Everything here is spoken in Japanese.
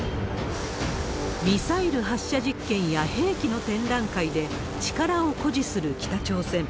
ミサイル発射実験や兵器の展覧会で力を誇示する北朝鮮。